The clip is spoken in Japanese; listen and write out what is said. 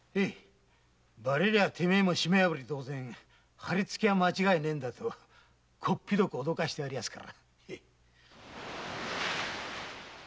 バレりゃてめぇも島破り同然ハリツケは間違いねぇんだとこっぴどく脅かしてありやすから。